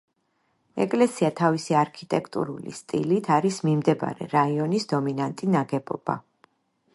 ეკლესია თავისი არქიტექტურული სტილით არის მიმდებარე რაიონის დომინანტი ნაგებობა.